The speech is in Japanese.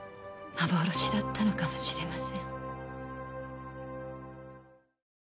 幻だったのかもしれません。